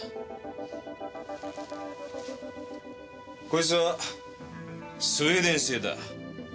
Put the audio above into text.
こいつはスウェーデン製だ。